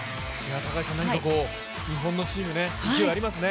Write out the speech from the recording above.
何か、日本のチーム勢いがありますね。